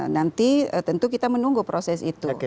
nanti tentu kita menunggu proses itu